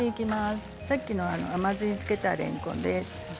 さっき甘酢に漬けたれんこんです。